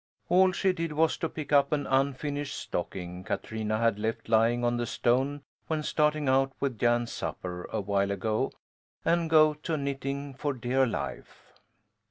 All she did was to pick up an unfinished stocking Katrina had left lying on the stone when starting out with Jan's supper a while ago, and go to knitting for dear life.